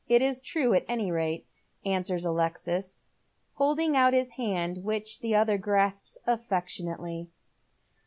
It's true, at any rate," answers Alexis, holding out his hand, which the other grasps affectionately.